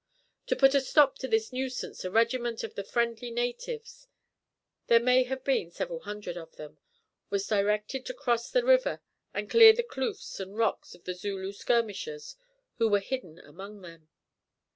To put a stop to this nuisance a regiment of the friendly natives there may have been several hundred of them was directed to cross the river and clear the kloofs and rocks of the Zulu skirmishers who were hidden among them.